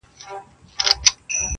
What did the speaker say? o د خېر نه مي توبه ، سپي دي کور کي که٫.